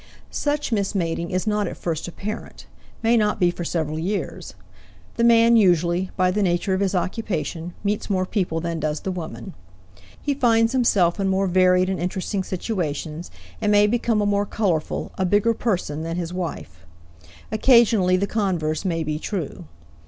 Such mismating is not at first apparent may not be for several years. The man usually, by the nature of his occupation, meets more people than does the woman. He finds himself in more varied and interesting situations, and may become a more colorful, a bigger person than his wife. Occasionally the converse may be true.